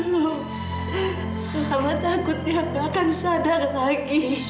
no mama takut ya aku akan selbst sadale lagi